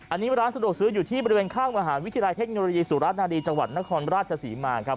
อันนี้ร้านสะดวกซื้ออยู่ที่บริเวณข้างมหาวิทยาลัยเทคโนโลยีสุรัตนารีจังหวัดนครราชศรีมาครับ